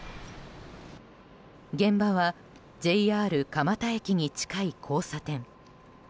現場はＪＲ蒲田駅に近い交差点。